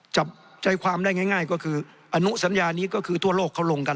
จับใจความได้ง่ายก็คืออนุสัญญานี้ก็คือทั่วโลกเขาลงกัน